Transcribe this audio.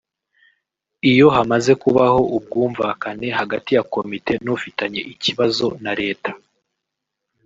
Iyo hamaze kubaho ubwumvakane hagati ya komite n’ufitanye ikibazo na Leta